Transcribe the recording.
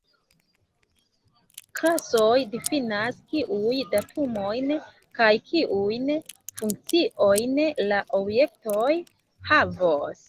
Klasoj difinas kiujn datumojn kaj kiujn funkciojn la objektoj havos.